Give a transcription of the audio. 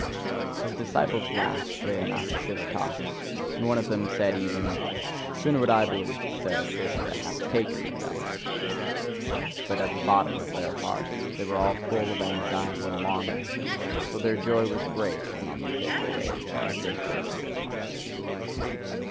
His disciples laughed, sure enough, at this talk; and one of them said even: "Sooner would I believe that Zarathustra hath taken the devil." But at the bottom of their hearts they were all full of anxiety and longing: so their joy was great when on the fifth day Zarathustra appeared amongst them.